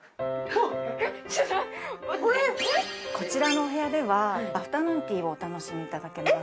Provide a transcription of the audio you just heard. ちょっと待ってえっ・こちらのお部屋ではアフタヌーンティーをお楽しみいただけます